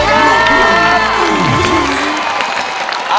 สวัสดีครับ